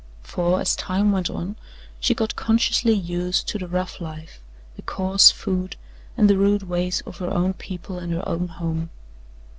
For as time went on, she got consciously used to the rough life, the coarse food and the rude ways of her own people and her own home.